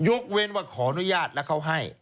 เว้นว่าขออนุญาตแล้วเขาให้